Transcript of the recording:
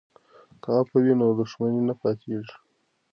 که عفوه وي نو دښمني نه پاتیږي.